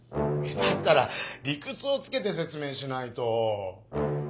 だったら理くつをつけてせつ明しないと！